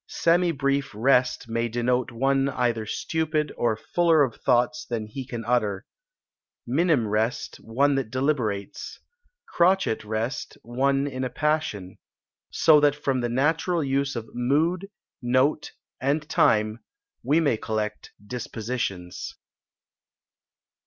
Semi brief rest may denote one either stupid or fuller of thoughts than he can utter; minimrest, one that deliberates; crotchet rest, one in a passion. So that from the natural use of MOOD, NOTE, and TIME, we may collect DISPOSITIONS."